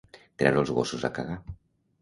Treure els gossos a cagar.